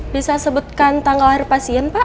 bisa sebutkan tanggal lahir pasien pak